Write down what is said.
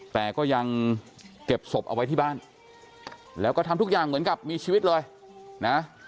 แต่ก็ยังเก็บศพเอาไว้ที่บ้านแล้วก็ทำทุกอย่างเหมือนกับมีชีวิตเลยนะ